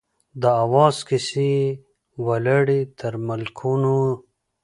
د آواز کیسې یې ولاړې تر ملکونو